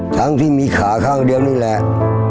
ทั้งที่มีขาข้างเดียวนี่แหละ